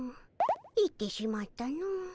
行ってしまったの。